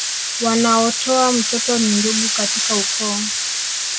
Wanaotoa mtoto ni ndugu katika ukoo